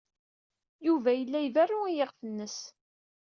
Yuba yella iberru i yiɣef-nnes.